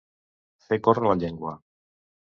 Fer córrer la llengua.